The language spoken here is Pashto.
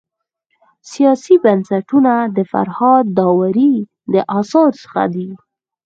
سیاسي بنسټونه د فرهاد داوري د اثارو څخه دی.